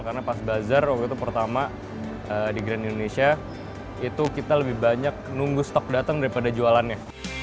karena pas bazar waktu itu pertama di grand indonesia itu kita lebih banyak nunggu stok datang daripada jualannya